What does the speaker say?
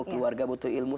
keluarga butuh ilmu